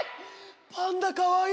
パンダかわいい。